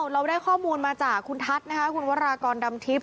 เราได้ข้อมูลมาจากคุณทัศน์วัตรากรดำทิพย์